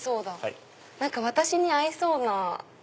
何か私に合いそうな。